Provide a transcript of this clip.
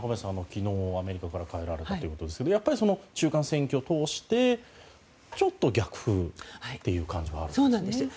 昨日アメリカから帰られたということですがやっぱり中間選挙を通してちょっと逆風という感じがあるんですね。